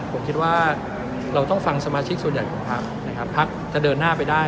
ผมคิดว่าเราต้องฟังสมาชิกส่วนใหญ่ของพักนะครับพักจะเดินหน้าไปได้